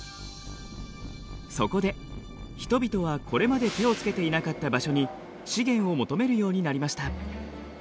そこで人々はこれまで手をつけていなかった場所に資源を求めるようになりました。